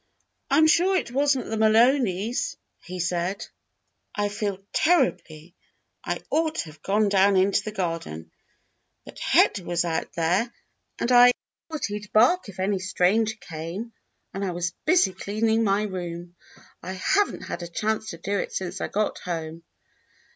"I am sure it was n't the Mahoneys," he said. "Well, I feel terribly! I ought to have gone down into the garden, but Hector was out there and I JIM AND THE ORPHANS 119 thought he'd bark if any stranger came, and I was busy cleaning my room. I have n't had a chance to do it since I got home."